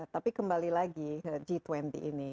tapi kembali lagi ke g dua puluh ini